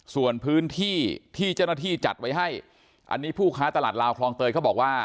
ส่วนพื้นที่ที่เจ้าหน้าที่จัดไว้ให้อันนี้ผู้ค้าตลาดลาวคลองเตยเขาบอกว่า